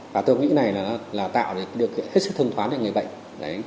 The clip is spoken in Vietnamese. và tôi nghĩ này là tạo được hết sức thông thoáng cho người bệnh